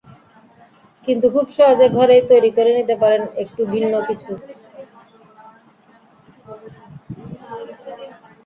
কিন্তু খুব সহজে ঘরেই তৈরি করে নিতে পারেন একটু ভিন্ন কিছু।